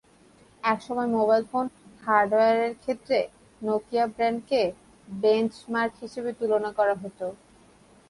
একসময় mobile phone হার্ডওয়্যারের ক্ষেত্রে নকিয়া ব্র্যান্ডকে বেঞ্চমার্ক হিসেবে তুলনা করা হতো।